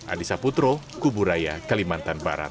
adisa putro kuburaya kalimantan barat